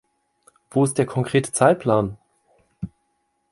Wo ist der konkrete Zeitplan?